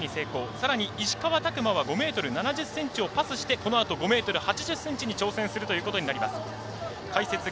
さらに石川拓磨は７０ｃｍをパスしてパスして、５ｍ８０ｃｍに挑戦することになります。